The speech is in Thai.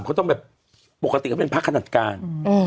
เค้าต้องแบบปกติเขาเป็นพรรคขนัดการณ์อืม